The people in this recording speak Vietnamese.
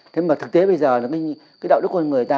thế mà thực tế bây giờ là cái đạo đức con người ta